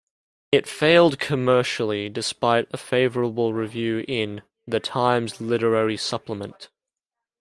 It failed commercially, despite a favourable review in "The Times Literary Supplement".